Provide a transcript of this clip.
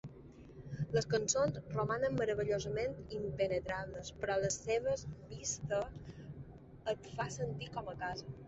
Les cançons romanen meravellosament impenetrables, però les seves vista et fa sentir com a casa.